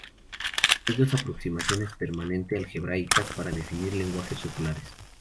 Hay dos aproximaciones puramente algebraicas para definir lenguajes regulares.